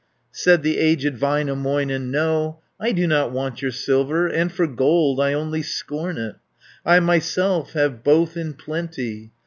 Said the aged Väinämöinen, "No, I do not want your silver, And for gold, I only scorn it. I myself have both in plenty.